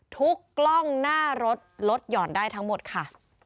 กล้องหน้ารถลดหย่อนได้ทั้งหมดค่ะ